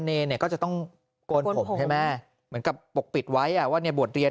เนรเนี่ยก็จะต้องโกนผมใช่ไหมเหมือนกับปกปิดไว้อ่ะว่าเนี่ยบวชเรียน